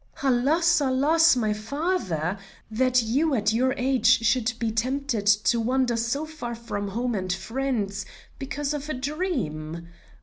"Alas! Alas! my father! that you at your age should be tempted to wander so far from home and friends, because of a dream.